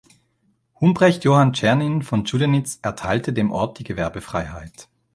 Humprecht Johann Czernin von Chudenitz erteilte dem Ort die Gewerbefreiheit.